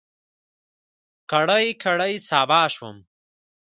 کړۍ، کړۍ صهبا شوم